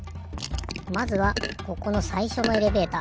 まずはここのさいしょのエレベーター。